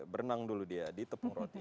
berenang dulu dia di tepung roti